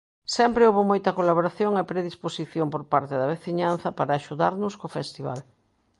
Sempre houbo moita colaboración e predisposición por parte da veciñanza para axudarnos co festival.